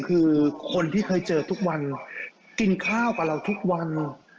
คือคนที่เคยเจอทุกวันกินข้าวกับเราทุกวัน